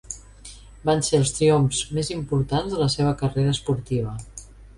Van ser els triomfs més importants de la seva carrera esportiva.